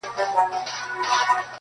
څوک وتله څوک په غار ننوتله,